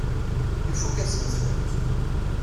Ifakk-asent-ten.